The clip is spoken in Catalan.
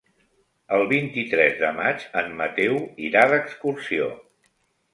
El vint-i-tres de maig en Mateu irà d'excursió.